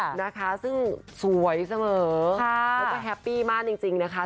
ค่ะนะคะซึ่งสวยเสมอค่ะแล้วก็แฮปปี้มากจริงจริงนะคะ